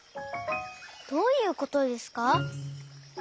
どういうことですか？